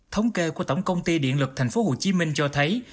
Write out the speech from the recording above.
thống kê của tổng công ty điện lực tp hcm cho thấy